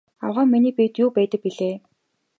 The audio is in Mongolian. Авгай миний биед юу байдаг билээ?